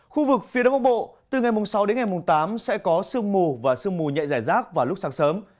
khu vực phía tây bắc bộ từ ngày mùng sáu đến ngày mùng tám sẽ có sương mù và sương mù nhẹ dài rác vào lúc sáng sớm